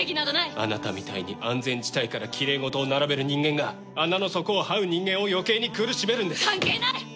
あなたみたいに安全地帯からきれい事を並べる人間が穴の底をはう人間を余計に苦しめるんです関係ない！